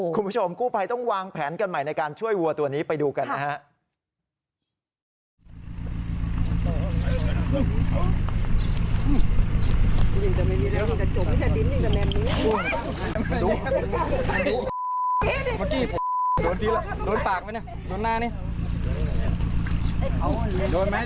คุณผู้ชมกู้ภัยต้องวางแผนกันใหม่ในการช่วยวัวตัวนี้ไปดูกันนะฮะ